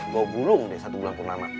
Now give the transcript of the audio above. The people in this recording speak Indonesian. gua bulung deh satu bulan pun lama